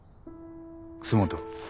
楠本。